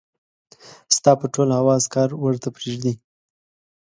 ستا به ټول حواص کار ورته پرېږدي.